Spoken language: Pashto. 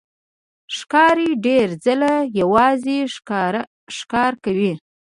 ښکاري ډېر ځله یوازې ښکار کوي.